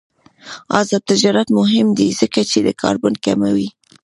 آزاد تجارت مهم دی ځکه چې د کاربن کموي.